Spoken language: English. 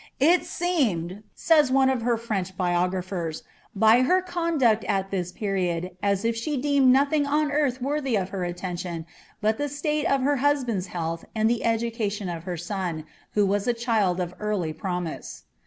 ^ II teemed," says one of her French biographers, ^ by her conduct at thie periody as if she deemed nothing on earth worthy of her attention but the state of her husband^s health and the education of her son, who was a child of early promise."'